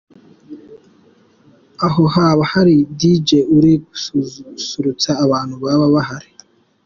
Aho haba hari Dj uri gususurutsa abantu baba bahari.